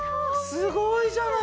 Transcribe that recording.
すごいじゃない！